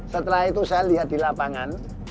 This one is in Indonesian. setelah itu saya lihat di lapangan